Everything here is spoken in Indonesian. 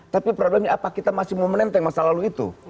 tapi problemnya apa kita masih mau menenteng masa lalu itu